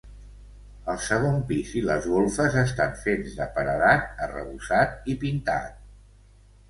El segon pis i les golfes estan fets de paredat arrebossat i pintat.